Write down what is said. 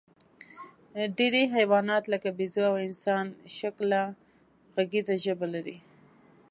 ډېری حیوانات، لکه بیزو او انسانشکله غږیزه ژبه لري.